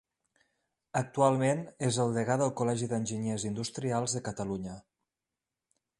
Actualment és el degà del Col·legi d'Enginyers Industrials de Catalunya.